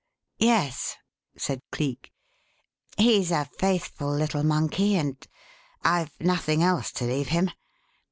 "Yes," said Cleek. "He's a faithful little monkey and I've nothing else to leave him.